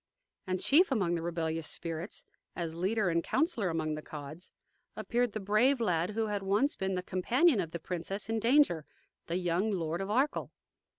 And chief among the rebellious spirits, as leader and counsellor among the Cods, appeared the brave lad who had once been the companion of the princess in danger, the young Lord of Arkell.